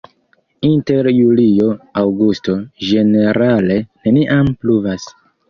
Inter julio-aŭgusto ĝenerale neniam pluvas.